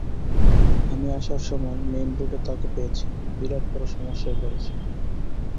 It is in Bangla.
আমি আসার সময় মেইনরোডে তাকে পেয়েছি বিরাট বড় সমস্যায় পড়েছে।